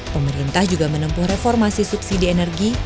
pemerintah juga menempuh reformasi subsidi energi